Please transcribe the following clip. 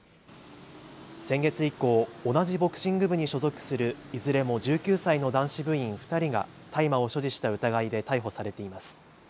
先月以降、同じボクシング部に所属するいずれも１９歳の男子部員２人が大麻を所持した疑いで逮捕されています。